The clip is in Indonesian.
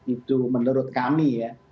itu menurut kami ya